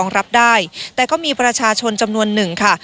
รับได้แต่ก็มีประชาชนจำนวนหนึ่งค่ะ